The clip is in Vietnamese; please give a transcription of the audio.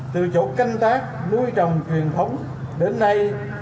từ chỗ canh tác nuôi trồng truyền thống đến nay